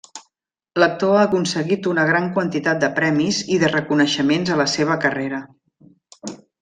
L'actor ha aconseguit una gran quantitat de premis i de reconeixements a la seva carrera.